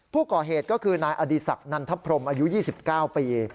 ผู้ก่อเหตุก็คือนายอดีศักดินันทพรมอายุ๒๙ปี